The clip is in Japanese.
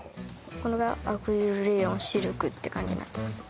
これがアクリルレーヨンシルクって感じになってます